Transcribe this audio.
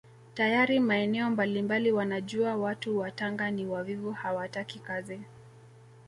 Tayari maeneo mbalimbali wanajua watu wa Tanga ni wavivu hawataki kazi